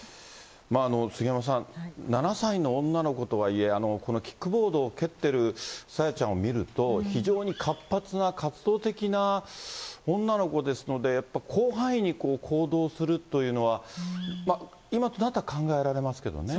杉山さん、７歳の女の子とはいえ、このキックボードを蹴ってる朝芽ちゃんを見ると、非常に活発な活動的な女の子ですので、やっぱり広範囲に行動するというのは、今となっては考えられますけどね。